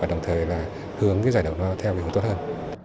đồng thời là hướng giải đấu nó theo điều tốt hơn